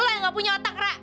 lo yang nggak punya otak ra